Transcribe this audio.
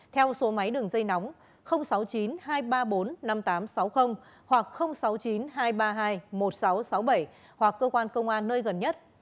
theo số máy đường dây nóng sáu mươi chín hai trăm ba mươi bốn năm nghìn tám trăm sáu mươi hoặc sáu mươi chín hai trăm ba mươi hai một nghìn sáu trăm sáu mươi bảy hoặc cơ quan công an nơi gần nhất